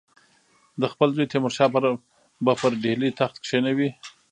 ده خپل زوی تیمورشاه به پر ډهلي تخت کښېنوي.